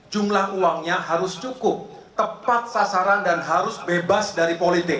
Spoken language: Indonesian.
jumlah uangnya harus cukup tepat sasaran dan harus bebas dari politik